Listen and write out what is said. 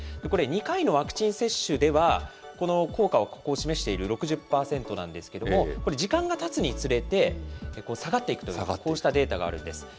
これ、２回のワクチン接種では、この効果を示している６０％なんですけれども、これ、時間がたつにつれて、下がっていくという、こうしたデータがあるんです。